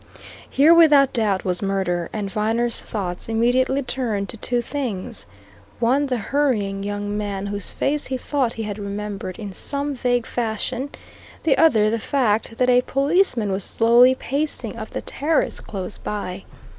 Here, without doubt, was murder, and Viner's thoughts immediately turned to two things one the hurrying young man whose face he thought he had remembered in some vague fashion; the other the fact that a policeman was slowly pacing up the terrace close by.